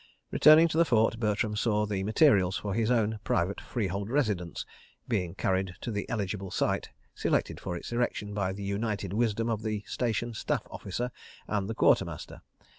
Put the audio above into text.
Returning to the fort, Bertram saw the materials for his own private freehold residence being carried to the eligible site selected for its erection by the united wisdom of the Station Staff Officer and the Quartermaster.